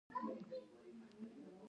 طبیعي خوږې له مېوو ترلاسه کېږي.